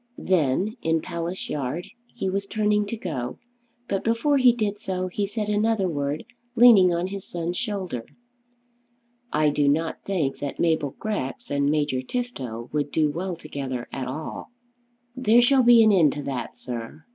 Then in Palace Yard he was turning to go, but before he did so, he said another word leaning on his son's shoulder. "I do not think that Mabel Grex and Major Tifto would do well together at all." "There shall be an end to that, sir."